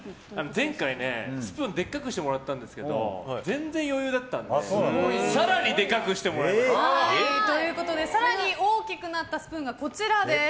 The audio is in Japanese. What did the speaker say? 前回ね、スプーンでっかくしてもらったんですけど全然余裕だったので更にでかくしてもらいました。ということで更に大きくなったスプーンがこちらです。